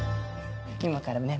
今からね